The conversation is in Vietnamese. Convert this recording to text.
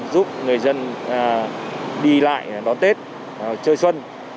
giúp người dân đi lại đón tết chơi xuân